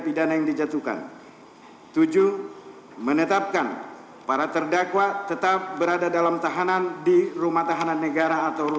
tiga menjatuhkan pidana kepada terdakwa dua subiharto